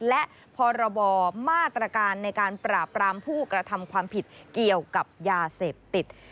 และพรบมาตรการในการปราบรามผู้กระทำความผิดเกี่ยวกับยาเสพติด